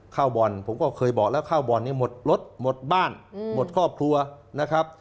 บ่อนผมก็เคยบอกแล้วเข้าบ่อนนี้หมดรถหมดบ้านหมดครอบครัวนะครับ